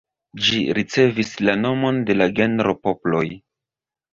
Ĝi ricevis la nomon de la genro Poploj.